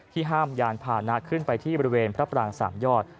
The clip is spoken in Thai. ห้ามยานพานะขึ้นไปที่บริเวณพระปรางสามยอด